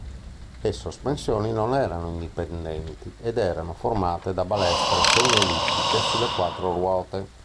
Le sospensioni non erano indipendenti ed erano formate da balestre semiellittiche sulle quattro ruote.